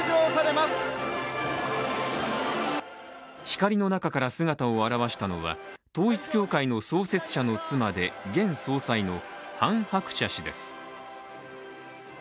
光の中から姿を現したのは統一教会の創設者の妻で現総裁のハン・ハクチャ氏です。